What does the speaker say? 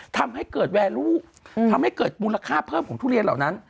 ทำให้เกิดแวร์ลูกทำให้เกิดมูลค่าเพิ่มของทุเรียนเหล่านั้น